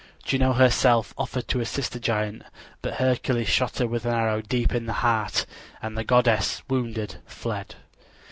Juno herself offered to assist the giant; but Hercules shot her with an arrow deep in the heart, and the goddess, wounded, fled.